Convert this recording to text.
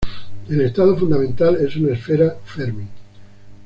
El estado fundamental es una esfera fermi.